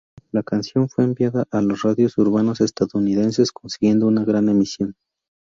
La canción fue enviada a las radios urbanas estadounidenses consiguiendo una gran emisión.